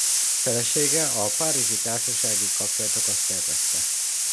Felesége a párizsi társasági kapcsolatokat szervezte.